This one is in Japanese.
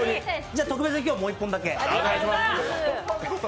じゃあ、特別に今日はもう一本だけ。